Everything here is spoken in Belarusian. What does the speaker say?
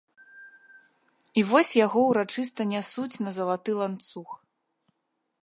І вось яго ўрачыста нясуць на залаты ланцуг.